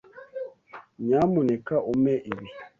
Nyamuneka umpe ibi.